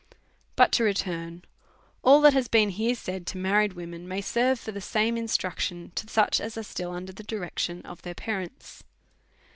But to return : AH that has been here said to mar $4 A SERIOUS CALL TO A ried women p.iay serve for the same instruction to such as are still under the direction of their parents.